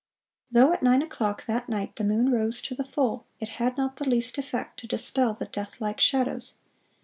(488) Though at nine o'clock that night the moon rose to the full, "it had not the least effect to dispel the deathlike shadows."